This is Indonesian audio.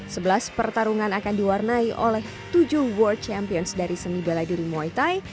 sebelas pertarungan akan diwarnai oleh tujuh world champions dari seni bela diri muay thai